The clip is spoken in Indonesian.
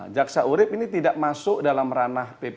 jaksa urib ini tidak masuk dalam ranah pp sembilan puluh sembilan